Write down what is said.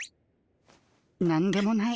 何でもない。